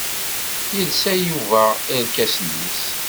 Yelsa Yuba irkasen-is.